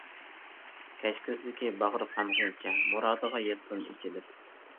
كەچكۈزدىكى باغرى قان غۇنچە، مۇرادىغا يەتسۇن ئېچىلىپ.